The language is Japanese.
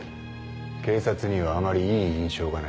警察にはあまりいい印象がない